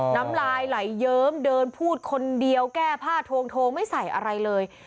น้ำลายไหลเยิ้มเดินพูดคนเดียวแก้ผ้าโทงไม่ใส่อะไรเลย